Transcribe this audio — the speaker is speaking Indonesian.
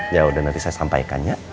yaudah nanti saya sampaikannya